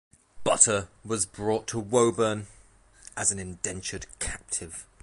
Butter was brought to Woburn as an indentured captive.